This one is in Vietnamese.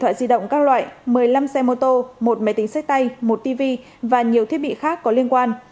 hai thoại di động các loại một mươi năm xe mô tô một máy tính sách tay một tv và nhiều thiết bị khác có liên quan